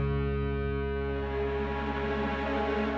bisa ada kesalahan